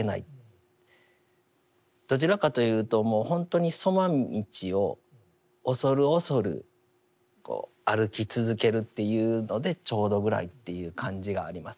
どちらかというともうほんとに杣道を恐る恐る歩き続けるというのでちょうどぐらいっていう感じがあります。